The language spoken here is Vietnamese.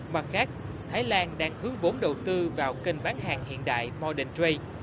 mặt khác thái lan đang hướng vốn đầu tư vào kênh bán hàng hiện đại modern trade